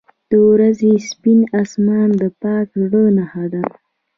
• د ورځې سپین آسمان د پاک زړه نښه ده.